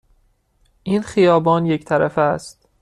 این خیابان یک طرفه است.